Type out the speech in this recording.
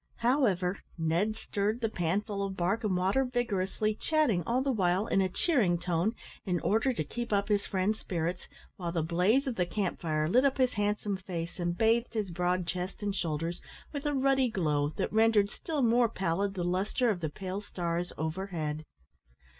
However, Ned stirred the panful of bark and water vigorously, chatting all the while in a cheering tone, in order to keep up his friend's spirits, while the blaze of the camp fire lit up his handsome face and bathed his broad chest and shoulders with a ruddy glow that rendered still more pallid the lustre of the pale stars overhead.